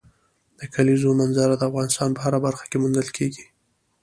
د کلیزو منظره د افغانستان په هره برخه کې موندل کېږي.